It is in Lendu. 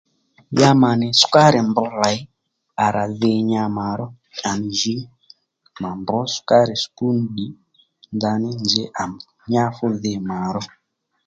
Ya mà nì sukari mbr lèy à rà dhi nya mà ró à nì jì mà mbr sukari spún ddì ndaní nzǐ à nyá fú dhi mà ró